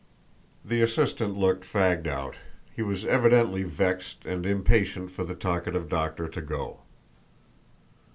The assistant looked fagged out. He was evidently vexed and impatient for the talkative doctor to go.